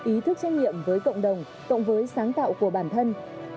ý thức trách nhiệm với cộng đồng cộng với sáng tạo của bản thân